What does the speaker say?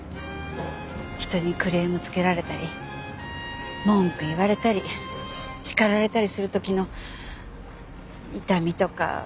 人にクレームつけられたり文句言われたり叱られたりする時の痛みとかつらさみたいなもの。